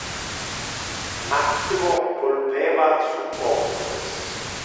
Maximo volveva su oculos.